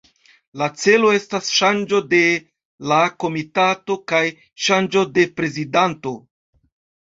La celo estas ŝanĝo de la komitato, kaj ŝanĝo de prezidanto.